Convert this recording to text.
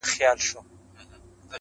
دکمپیوټر پروسیسر